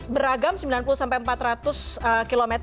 beragam sembilan puluh sampai empat ratus km